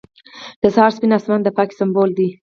• د سهار سپین آسمان د پاکۍ سمبول دی.